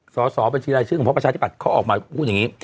สสบชชของพระประชาธิบัตรเขาออกมาพูดอย่างนี้